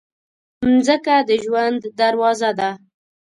مځکه د ژوند دروازه ده.